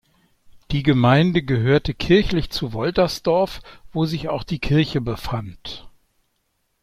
Die Gemeinde gehörte kirchlich zu Woltersdorf, wo sich auch die Kirche befand.